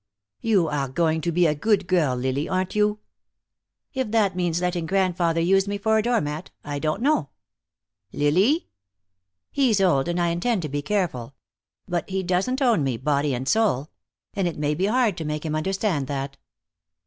"You are going to be a good girl, Lily, aren't you?" "If that means letting grandfather use me for a doormat, I don't know." "Lily!" "He's old, and I intend to be careful. But he doesn't own me, body and soul. And it may be hard to make him understand that."